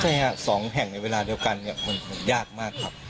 ใช่ครับ๒แห่งในเวลาเดียวกันเนี่ยมันยากมากครับ